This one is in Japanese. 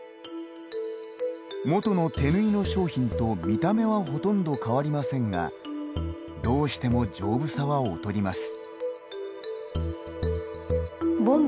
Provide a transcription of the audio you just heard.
元の手縫いの商品と見た目はほとんど変わりませんがどうしても丈夫さは劣ります。